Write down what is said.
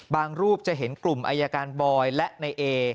รูปจะเห็นกลุ่มอายการบอยและในเอ